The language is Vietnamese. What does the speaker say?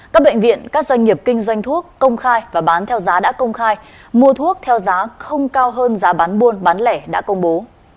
các bệnh viện các doanh nghiệp kinh doanh thuốc công khai và bán theo giá đã công khai mua thuốc theo giá không cao hơn giá bán buôn bán lẻ đã công bố